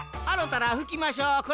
あろたらふきましょう。